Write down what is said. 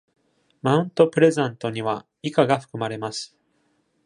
マウント・プレザントには以下が含まれます。